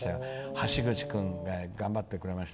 橋口君が頑張ってくれました。